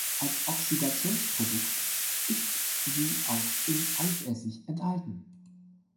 Als Oxidationsprodukt ist sie auch in Eisessig enthalten.